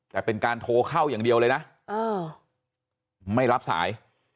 แต่เป็นการโทรเข้าอย่างเดียวเลยนะไม่รับสาย